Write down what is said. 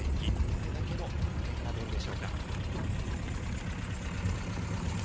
どれだけの得点が出るでしょうか？